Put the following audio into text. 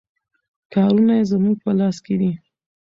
کارونه یې زموږ په لاس کې دي.